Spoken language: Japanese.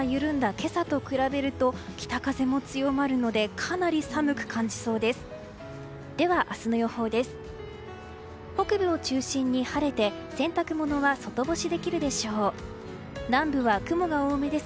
今朝と比べると北風も強まるのでかなり寒く感じそうです。